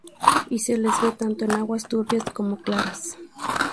Y se les ve, tanto en aguas turbias como claras.